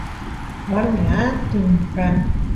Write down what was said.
warmi atun kan